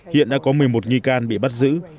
hiện đã có một mươi một nghi can bị bắt giữ